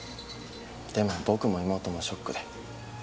でも僕も妹もショックで。